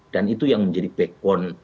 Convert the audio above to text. dan itu yang menjadi backbone